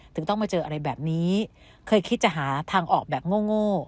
ต้องมาเจออะไรแบบนี้เคยคิดจะหาทางออกแบบโง่